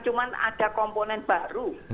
cuman ada komponen baru